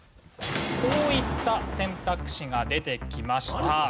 こういった選択肢が出てきました。